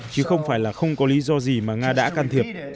chứ không phải là không có lý do gì mà nga đã can thiệp